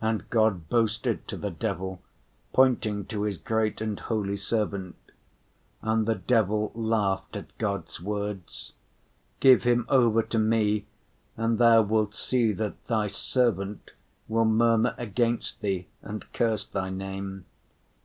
And God boasted to the devil, pointing to his great and holy servant. And the devil laughed at God's words. "Give him over to me and Thou wilt see that Thy servant will murmur against Thee and curse Thy name."